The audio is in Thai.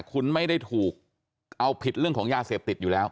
คุณไม่ได้ถูกเอาผิดเรื่องของยาเสพติดอยู่แล้ว